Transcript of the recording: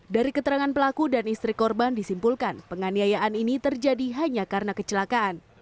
dari keterangan pelaku dan istri korban disimpulkan penganiayaan ini terjadi hanya karena kecelakaan